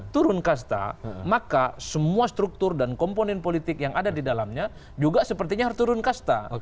turun kasta maka semua struktur dan komponen politik yang ada di dalamnya juga sepertinya harus turun kasta